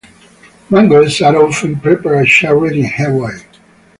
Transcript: Mangoes are often prepared charred in Hawaii.